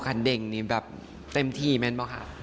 คันเด่งนี่แบบเต็มที่มั้ยเปล่าครับ